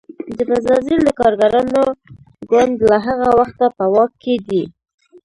د بزازیل د کارګرانو ګوند له هغه وخته په واک کې دی.